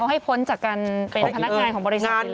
เขาให้พ้นจากการเป็นพนักงานของบริษัทเลย